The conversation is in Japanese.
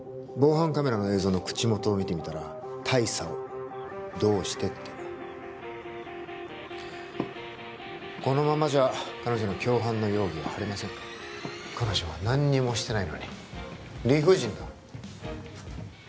防犯カメラの映像の口元を見てみたら「タイサオ」どうしてってこのままじゃ彼女の共犯の容疑は晴れません彼女は何もしてないのに理不尽だ